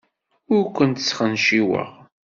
Ur kent-sxenciweɣ.